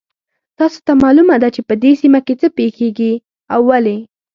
تاسو ته معلومه ده چې په دې سیمه کې څه پېښیږي او ولې